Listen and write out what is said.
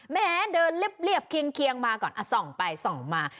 แม้เดินเรียบเรียบเคียงเคียงมาก่อนอ่ะส่องไปส่องมา